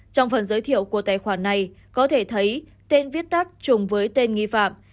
trong phần giới thiệu của tài khoản này có thể thấy tên viết tắt chung với tên nghi phạm